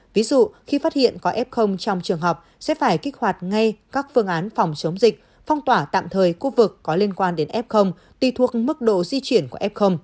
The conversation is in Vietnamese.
ví dụ khi phát hiện có f trong trường học sẽ phải kích hoạt ngay các phương án phòng chống dịch phong tỏa tạm thời khu vực có liên quan đến f tùy thuộc mức độ di chuyển của f